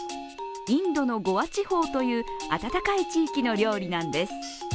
インドのゴア地方という暖かい地域の料理なんです。